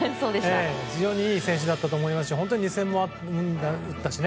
非常にいい選手だったと思いますし２０００本安打も打ったしね。